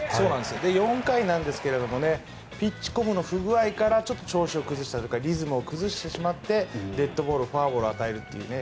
４回なんですがピッチコムの不具合からちょっと調子を崩したというかリズムを崩してしまってデッドボール、フォアボールを与えるというね。